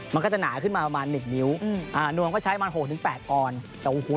มันก็จะหนาขึ้นมาประมาณ๑นิ้วนวมก็ใช้ประมาณ๖๘ออน